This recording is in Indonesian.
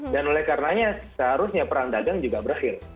dan oleh karenanya seharusnya perang dagang juga berakhir